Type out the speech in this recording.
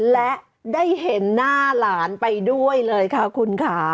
และได้เห็นหน้าหลานไปด้วยเลยค่ะคุณค่ะ